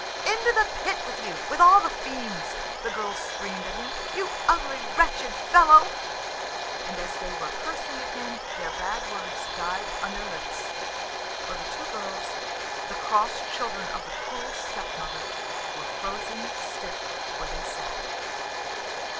"Into the pit with you, with all the fiends," the girls screamed at him, "you ugly, wretched fellow!"... And as they were cursing at him their bad words died on their lips, for the two girls, the cross children of the cruel stepmother, were frozen stiff where they sat.